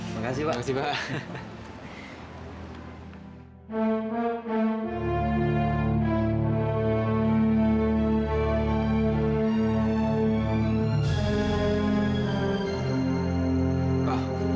terima kasih pak